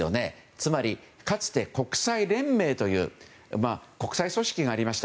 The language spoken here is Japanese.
つまり、かつて国際連盟という国際組織がありました。